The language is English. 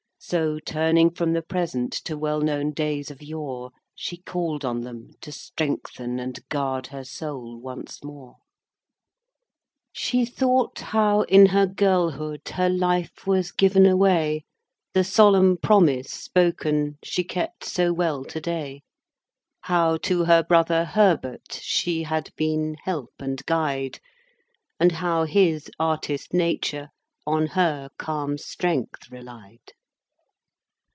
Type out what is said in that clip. So, turning from the Present To well known days of yore, She call'd on them to strengthen And guard her soul once more. V. She thought how in her girlhood Her life was given away, The solemn promise spoken She kept so well to day; How to her brother Herbert She had been help and guide, And how his artist nature On her calm strength relied.